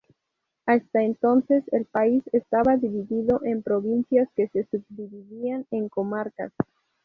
Hasta entonces el país estaba dividido en provincias que se subdividían en comarcas.